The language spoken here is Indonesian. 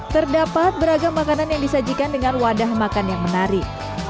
terdapat beragam makanan yang disajikan dengan wadah makan yang menarik